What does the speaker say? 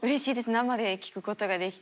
生で聴くことができて。